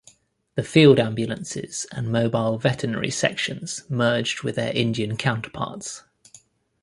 The Field Ambulances and Mobile Veterinary Sections merged with their Indian counterparts.